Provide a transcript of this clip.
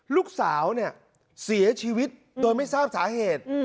ลูกสาวเนี่ยเสียชีวิตโดยไม่ทราบสาเหตุ